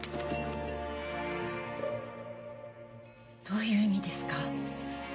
どういう意味ですか？